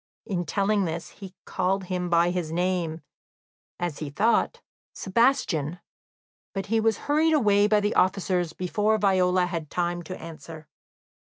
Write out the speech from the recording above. In telling this, he called him by his name, as he thought "Sebastian" but he was hurried away by the officers before Viola had time to answer.